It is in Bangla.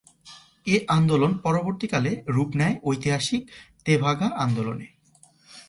এ আন্দোলন পরবর্তীকালে রূপ নেয় ঐতিহাসিক তেভাগা আন্দোলনে।